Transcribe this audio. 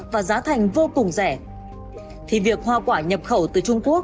với cả chục nghìn tấn hoa quả nhập khẩu trung quốc